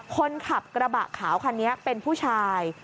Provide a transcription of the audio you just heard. คนขับกระบะขาวคันนี้เป็นผู้ชาย